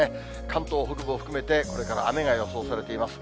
関東北部を含めてこれから雨が予想されています。